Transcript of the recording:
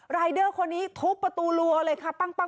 รายเดอร์คนนี้ทุบประตูรัวเลยค่ะปั้ง